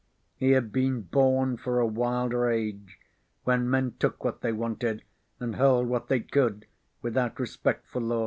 He had been born for a wilder age, when men took what they wanted and held what they could without respect for law.